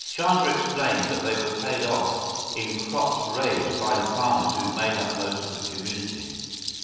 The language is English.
Chandra explained that they were paid off in crops raised by the farmers who made up most of the community.